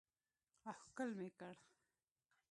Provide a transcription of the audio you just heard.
او ښکل مې کړ.